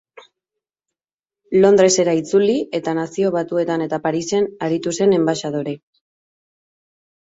Londresera itzuli eta Nazio Batuetan eta Parisen aritu zen enbaxadore.